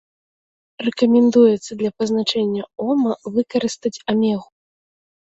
Рэкамендуецца для пазначэння ома выкарыстаць амегу.